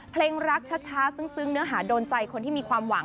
เพลงรักช้าซึ้งเนื้อหาโดนใจคนที่มีความหวัง